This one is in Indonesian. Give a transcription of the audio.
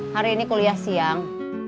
hari ini kuliah siang